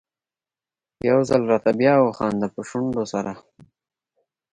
يو ځل راته بیا وخانده په شونډو سرو